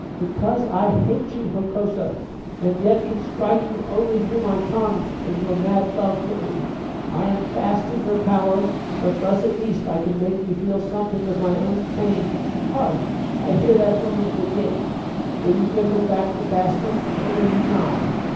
"Because I hate you, Hokosa, and yet can strike you only through my tongue and your mad love for me. I am fast in your power, but thus at least I can make you feel something of my own pain. Hark! I hear that woman at the gate. Will you give her back the basket, or will you not?